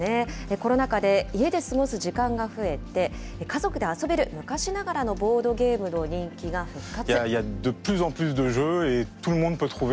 コロナ禍で家で過ごす時間が増えて、家族で遊べる昔ながらのボードゲームの人気が復活。